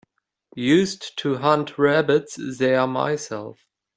Used to hunt rabbits there myself.